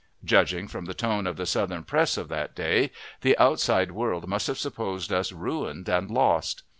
Judging from the tone of the Southern press of that day, the outside world must have supposed us ruined and lost.